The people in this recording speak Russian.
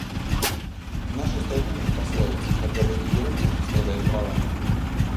В нашей стране есть пословица: когда быки дерутся, страдает трава.